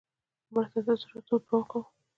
مړه ته د زړه تود دعا کوو